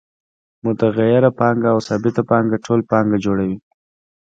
متغیره پانګه او ثابته پانګه ټوله پانګه جوړوي